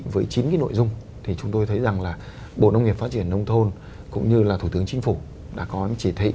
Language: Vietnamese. với chín cái nội dung thì chúng tôi thấy rằng là bộ nông nghiệp phát triển nông thôn cũng như là thủ tướng chính phủ đã có chỉ thị